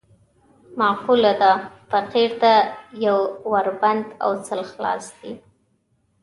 معقوله ده: فقیر ته یو ور بند، سل خلاص دي.